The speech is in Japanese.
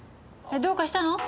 どうかしたの？